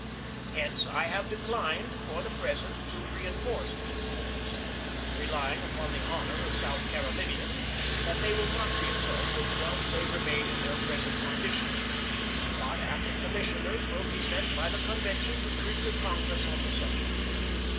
Hence I have declined for the present to reenforce these forts, relying upon the honor of South Carolinians that they will not be assaulted whilst they remain in their present condition ; but that commission ers will be sent by the convention to treat with Congress on the subject.